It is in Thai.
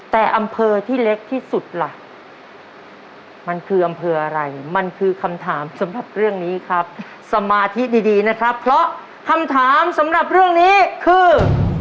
แต่อำเภอที่เล็กที่สุดล่ะมันคืออำเภออะไรมันคือคำถามสำหรับเรื่องนี้ครับสมาธิดีนะครับเพราะคำถามสำหรับเรื่องนี้คือ